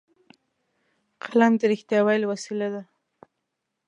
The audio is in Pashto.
قلم د رښتیا ویلو وسیله ده